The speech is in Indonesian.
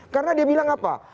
karena dia bilang apa